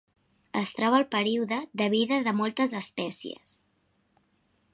Es troba al període de vida de moltes espècies.